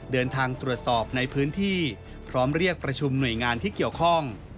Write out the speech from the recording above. เดินทางตรวจสอบในพื้นที่พร้อมเรียกประชุมหน่วยงานที่เกี่ยวข้อง